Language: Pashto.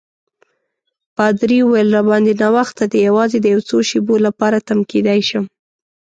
پادري وویل: راباندي ناوخته دی، یوازې د یو څو شېبو لپاره تم کېدای شم.